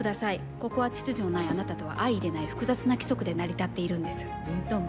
ここは、秩序のないあなたとは相いれない複雑な規則で成り立っているんです。